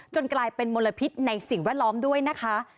กลายเป็นมลพิษในสิ่งแวดล้อมด้วยนะคะ